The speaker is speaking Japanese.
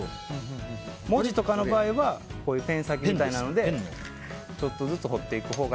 文字とかの場合はペン先みたいなのでちょっとずつ彫っていくほうが